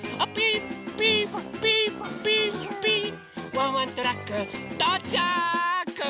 ワンワントラックとうちゃく！